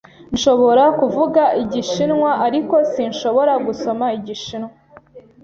Nshobora kuvuga Igishinwa, ariko sinshobora gusoma Igishinwa.